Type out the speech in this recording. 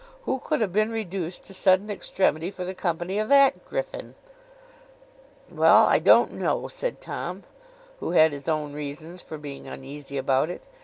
Who could have been reduced to sudden extremity for the company of that griffin! 'Well! I don't know,' said Tom, who had his own reasons for being uneasy about it.